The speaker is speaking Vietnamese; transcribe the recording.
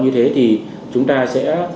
như thế thì chúng ta sẽ